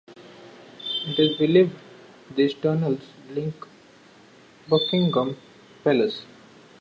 It is believed these tunnels link to Buckingham Palace.